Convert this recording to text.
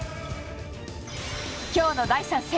今日の第３戦。